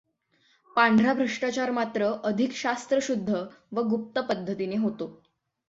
पांढरा भ्रष्टाचार मात्र अधिक शास्त्रशुध्द व गुप्त पध्दतीने होतो.